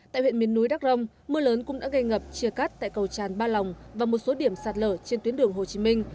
tại huyện miền núi đắc rông mưa lớn cũng đã gây ngập chia cắt tại cầu tràn ba lòng và một số điểm sạt lở trên tuyến đường hồ chí minh